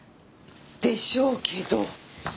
でしょうけど。